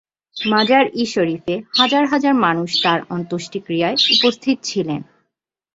মাজার-ই-শরিফে হাজার হাজার মানুষ তার অন্ত্যেষ্টিক্রিয়ায় উপস্থিত ছিলেন।